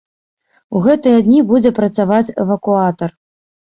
У гэтыя дні будзе працаваць эвакуатар.